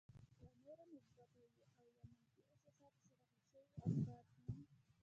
له نورو مثبتو او يا منفي احساساتو سره حل شوي افکار هم.